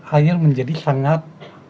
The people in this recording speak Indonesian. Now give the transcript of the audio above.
air menjadi sangat